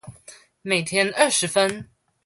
每天二十分